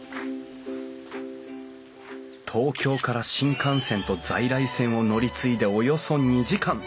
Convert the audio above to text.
東京から新幹線と在来線を乗り継いでおよそ２時間。